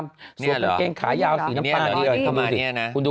สวมกางเกงขายาวสีน้ำปางเหมือนกัน